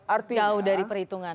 artinya itu jauh dari perhitungan